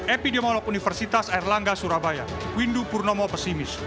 epidemiolog universitas erlangga surabaya windu purnomo pesimis